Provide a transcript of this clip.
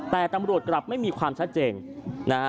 แต่ตำรวจกลับไม่มีความชัดเจนนะฮะ